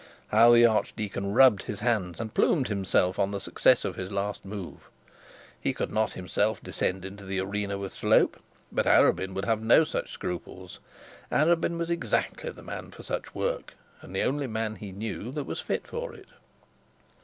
How the archdeacon rubbed his hands, and plumed himself on the success of his last move. He could not himself descend into the arena with Slope, but Arabin would have no such scruples. Arabin was exactly the man for such work, and the only man whom he knew that was fit for it.